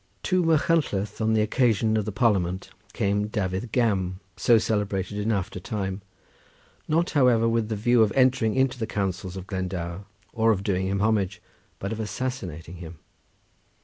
To Machynlleth on the occasion of the parliament came Dafydd Gam, so celebrated in after time; not, however, with the view of entering into the counsels of Glendower, or of doing him homage, but of assassinating him.